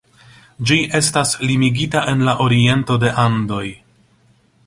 Ĝi estas limigita en la oriento de Andoj.